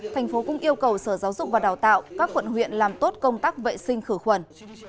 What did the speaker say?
thành phố cũng yêu cầu sở giáo dục và đào tạo các quận huyện làm tốt công tác vệ sinh khử khuẩn